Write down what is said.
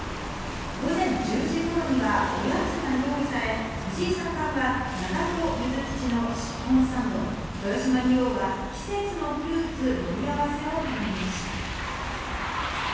午前１０時頃にはおやつが用意され、藤井三冠は長門ゆずきちのシフォンサンド、豊島竜王は季節のフルーツ盛り合わせを頼みました。